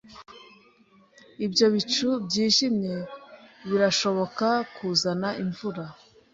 Ibyo bicu byijimye birashoboka kuzana imvura